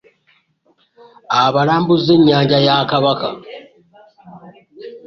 Abalambuzza ennyanja ya Kabaka